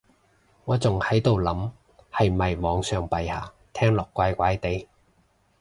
我仲喺度諗係咪皇上陛下，聽落怪怪哋